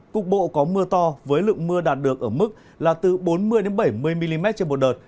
cục bộ có mưa to với lượng mưa đạt được ở mức là từ bốn mươi bảy mươi mm trên một đợt